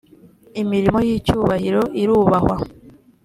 imirimo y ‘icyubahiro irubahwa.